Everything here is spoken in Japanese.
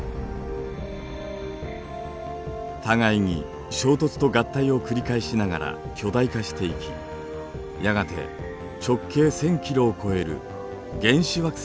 互いに衝突と合体を繰り返しながら巨大化していきやがて直径１，０００キロを超える原始惑星に成長。